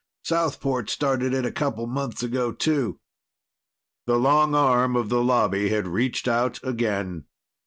Southport started it a couple months ago, too." The long arm of the Lobby had reached out again.